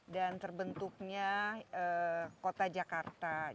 dan terbentuknya kota jakarta